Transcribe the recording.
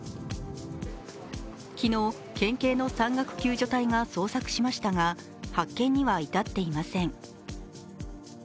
昨日、県警の山岳救助隊が捜索しましたが発見には至っていません。